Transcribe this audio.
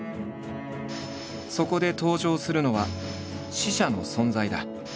そこで登場するのは死者の存在だ。